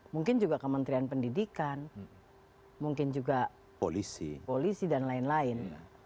mungkin juga kementerian pendidikan mungkin juga polisi dan lain lain